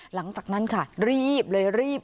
หลังจากนั้นค่ะรีบเลยรีบ